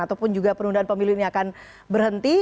ataupun juga penundaan pemilu ini akan berhenti